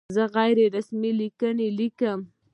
زه غیر رسمي لیک لیکم.